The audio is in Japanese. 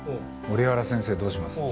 折原先生どうします？